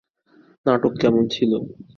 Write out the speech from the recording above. নাটক কেমন ছিল?